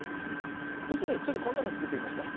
そしてねちょっとこんなのつくってみました。